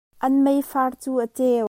An meifar cu a ceu.